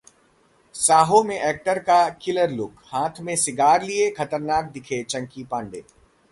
साहो में एक्टर का killer look, हाथ में सिगार लिए खतरनाक दिखे चंकी पांडे